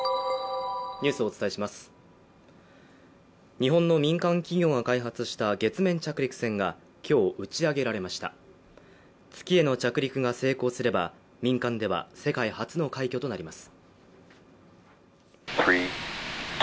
日本の民間企業が開発した月面着陸船が今日打ち上げられました月への着陸が成功すれば民間では世界初の快挙となります